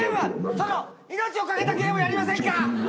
その命をかけたゲームやりませんか？